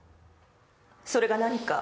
それが何か？